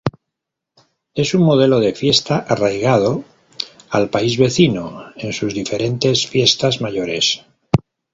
Es un modelo de fiesta arraigada al país vecino, en sus diferentes fiestas mayores.